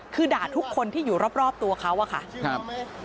คือด่าทุกคนที่อยู่รอบตัวเขาอะค่ะครับ